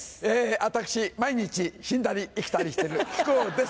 私毎日死んだり生きたりしてる木久扇です！